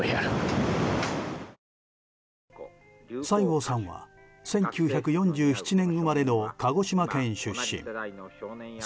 西郷さんは１９４７年生まれの鹿児島県出身。